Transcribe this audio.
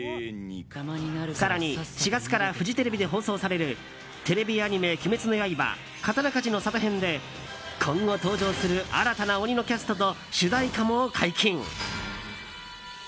更に４月からフジテレビで放送されるテレビアニメ「鬼滅の刃“刀鍛冶の里編”」で今後登場する新たな鬼のキャストと主題歌も解禁。